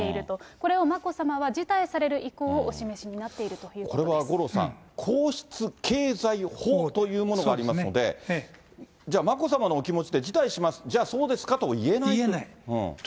これを眞子さまは辞退される意向をお示しになっているということこれは五郎さん、皇室経済法というものがありますので、じゃあ、眞子さまのお気持ちで、辞退します、じゃあ、そうですかと言えないと。